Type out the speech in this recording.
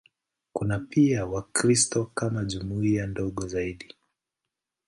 Kuna pia Wakristo kama jumuiya ndogo zaidi.